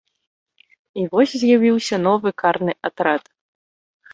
І вось з'явіўся новы карны атрад.